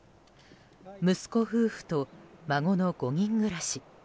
息子夫婦と、孫の５人暮らし。